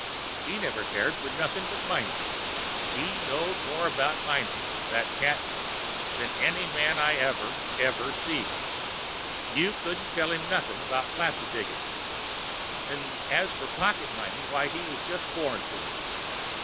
He never cared for nothing but mining. He knowed more about mining, that cat did, than any man I ever, ever see. You couldn't tell him noth'n' 'bout placer diggin's—'n' as for pocket mining, why he was just born for it.